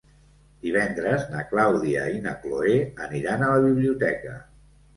Divendres na Clàudia i na Cloè aniran a la biblioteca.